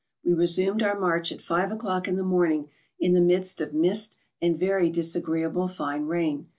We resumed our march at five o'clock in the morning in the midst of mist and very disagreeable fine rain.